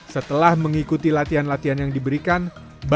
setelah mengikuti latihan latihan yang diberikan baik terkait skill olah bola